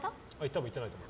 多分、行ってないと思う。